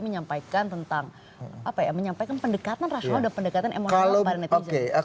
menyampaikan tentang apa ya menyampaikan pendekatan rasional dan pendekatan emosional kepada netizen